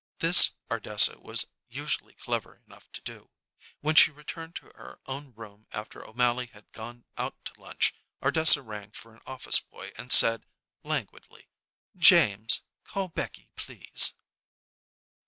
This Ardessa was usually clever enough to do. When she returned to her own room after O'Mally had gone out to lunch, Ardessa rang for an office boy and said languidly, "James, call Becky, please."